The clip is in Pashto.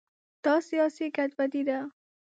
دا سیاسي ګډوډي ده.